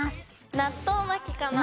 納豆巻きかな。